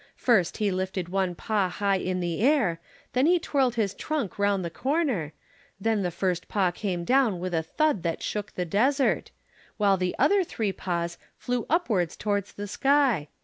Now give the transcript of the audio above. First he lifted one paw high in the air, then he twirled his trunk round the corner, then the first paw came down with a thud that shook the desert, while the other three paws flew up towards the sky.